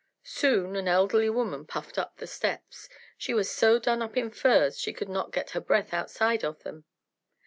Soon an elderly woman puffed up the steps. She was so done up in furs she could not get her breath outside of them.